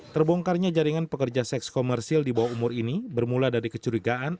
terbongkarnya jaringan pekerja seks komersil di bawah umur ini bermula dari kecurigaan